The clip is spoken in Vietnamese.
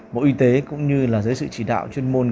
bộ y tế cũng như là dưới sự chỉ đạo chuyên môn